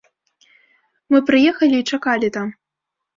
Мы прыехалі і чакалі там.